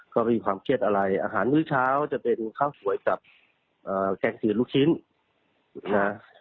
ก็ไม่มีความเครียดอะไรอาหารมื้อเช้าจะเป็นข้าวสวยกับแกงจืดลูกชิ้นนะ